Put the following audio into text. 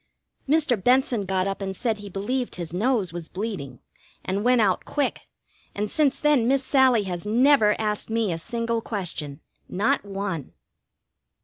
Mr. Benson got up and said he believed his nose was bleeding, and went out quick, and since then Miss Sallie has never asked me a single question. Not one.